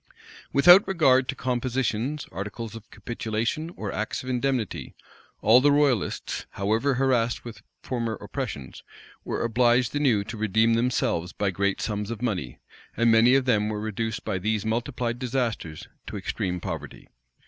Without regard to compositions, articles of capitulation, or acts of indemnity, all the royalists, however harassed with former oppressions, were obliged anew to redeem themselves by great sums of money; and many of them were reduced by these multiplied disasters to extreme poverty.